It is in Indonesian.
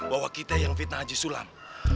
bahwa kita yang fitnah haji sulang